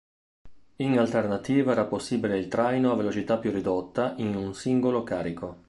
In alternativa era possibile il traino a velocità più ridotta in un singolo carico.